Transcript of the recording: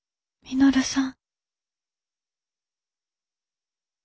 稔さん。